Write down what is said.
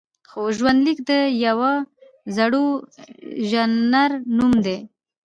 خو ژوندلیک د یوه زړور ژانر نوم دی.